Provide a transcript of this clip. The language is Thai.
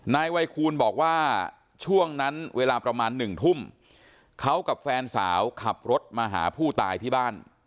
นายวัยคูณบอกว่าช่วงนั้นเวลาประมาณหนึ่งทุ่มเขากับแฟนสาวขับรถมาหาผู้ตายที่บ้าน